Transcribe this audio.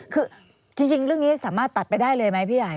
คือจริงเรื่องนี้สามารถตัดไปได้เลยไหมพี่ใหญ่